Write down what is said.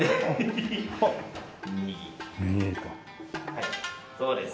はいそうです。